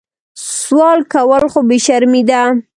سوال کول خو بې شرمي ده